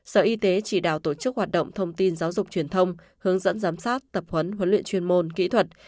sở y tế chỉ đạo tổ chức hoạt động thông tin giáo dục truyền thông hướng dẫn giám sát tập huấn huấn luyện chuyên môn kỹ thuật